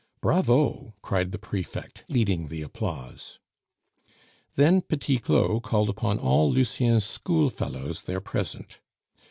"Bravo!" cried the prefect, leading the applause. Then Petit Claud called upon all Lucien's schoolfellows there present.